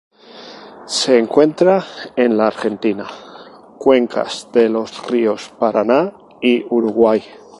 Se encuentra en la Argentina: cuencas de los ríos Paraná y Uruguay.